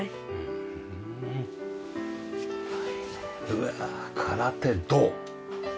うわ「空手道」。